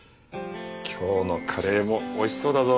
今日のカレーもおいしそうだぞ。